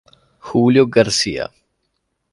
Julio García